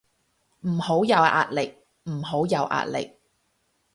唔好有壓力，唔好有壓力